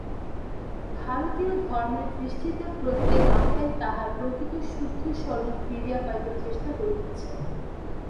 ভারতীয় ধর্মের দৃষ্টিতে প্রত্যেক আত্মাই তাহার প্রকৃত শুদ্ধ স্বরূপ ফিরিয়া পাইতে চেষ্টা করিতেছে।